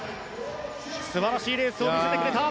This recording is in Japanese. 素晴らしいレースを見せてくれた。